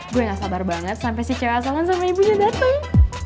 gue gak sabar banget sampe si cewek asalan sama ibunya dateng